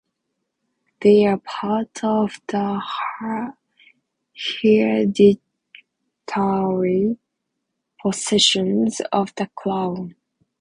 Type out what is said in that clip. They are part of the hereditary possessions of The Crown.